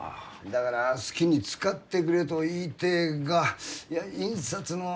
だから好きに使ってくれと言いてえがいや印刷の空きが。